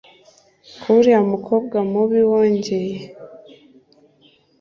kuba uriya mukobwa mubi wongeye